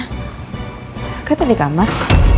aku itu di kamar